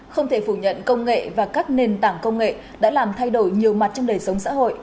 không thể phủ nhận công nghệ và các nền tảng công nghệ đã làm thay đổi nhiều mặt trong đời sống xã hội